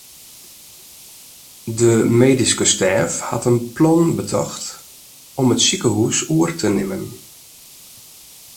De medyske stêf hat in plan betocht om it sikehús oer te nimmen.